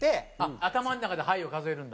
頭の中で「はい」を数えるんだ。